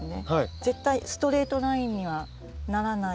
絶対ストレートラインにはならないで。